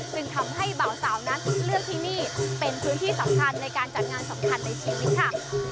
ซึ่งทำให้เบาสาวนั้นเลือกที่นี่เป็นพื้นที่สำคัญในการจัดงานสำคัญในชีวิตค่ะ